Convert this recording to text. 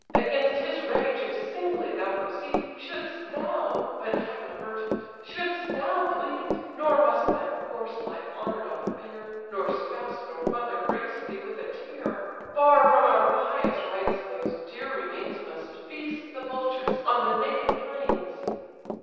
Against his rage if singly thou proceed, Should'st thou, (but Heaven avert it!) should'st thou bleed, Nor must thy corse lie honour'd on the bier, Nor spouse, nor mother, grace thee with a tear! Far from our pious rites those dear remains Must feast the vultures on the naked plains."